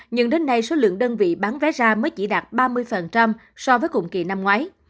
nhưng đến nay số lượng đơn vị bán vé ra mới chỉ đạt ba mươi so với cùng kỳ năm ngoái